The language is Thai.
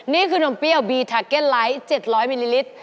นี่คือนมเปรี้ยวบีทาเก็ตไลท์๗๐๐มิลลิลิตร